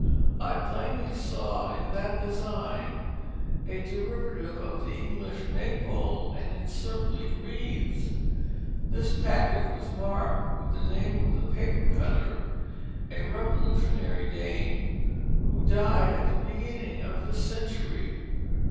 I plainly saw in that design a derivative of the English Maypole and encircling wreaths. This package was marked with the name of the paper cutter, a Revolutionary dame who died at the beginning of this century.